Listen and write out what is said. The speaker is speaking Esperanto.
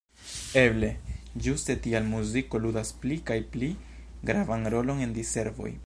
Eble ĝuste tial muziko ludas pli kaj pli gravan rolon en diservoj.